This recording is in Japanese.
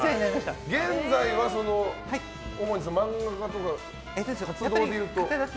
現在は漫画家とか活動でいうと？